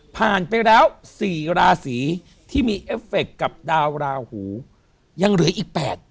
ผ่านไปแล้ว๔ราศีที่มีเอฟเฟคกับดาวราหูยังเหลืออีก๘